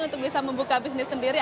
untuk bisa membuka bisnis sendiri